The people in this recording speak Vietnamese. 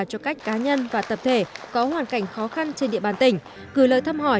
cho các cá nhân và tập thể có hoàn cảnh khó khăn trên địa bàn tỉnh gửi lời thăm hỏi